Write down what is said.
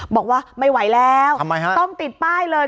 บอกว่าไม่ไหวแล้วต้องติดป้ายเลย